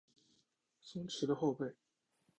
松驹的后辈。